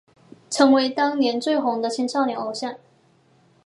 成为当年最红的青少年偶像。